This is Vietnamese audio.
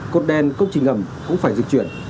cột đen cốc trình ngầm cũng phải di chuyển